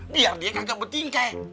biar dia kagak penting kaya